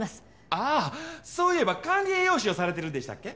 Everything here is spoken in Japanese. ああそういえば管理栄養士をされてるんでしたっけ？